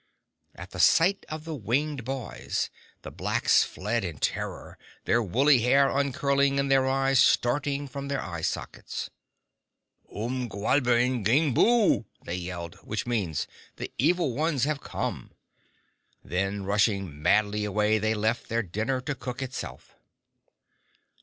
At the sight of the winged boys, the blacks fled in terror, their woolly hair uncurling, and their eyes starting from their eye sockets. "Um gullaber n'ging boo!" they yelled, which means "The Evil Ones have come!" Then rushing madly away, they left their dinner to cook itself.